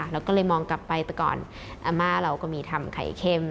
เราก็เลยมองกลับไปแต่ก่อนอาม่าเราก็มีทำไข่เข้ม